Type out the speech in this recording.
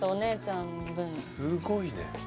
すごいね。